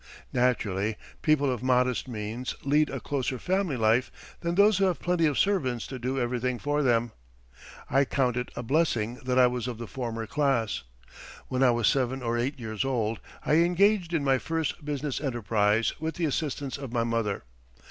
Naturally, people of modest means lead a closer family life than those who have plenty of servants to do everything for them. I count it a blessing that I was of the former class. When I was seven or eight years old I engaged in my first business enterprise with the assistance of my mother.